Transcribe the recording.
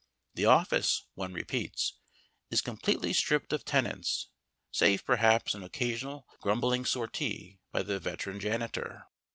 The office, one repeats, is completely stripped of tenants save perhaps an occasional grumbling sortie by the veteran janitor.